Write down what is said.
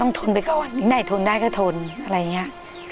ต้องทนไปก่อนถึงได้ทนได้ก็ทนอะไรอย่างเงี้ย